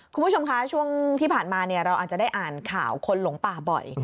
คุณผู้ชมคะช่วงที่ผ่านมาเราอาจจะได้อ่านข่าวคนหลงป่าบ่อย